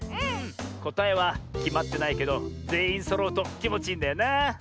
こたえはきまってないけどぜんいんそろうときもちいいんだよな。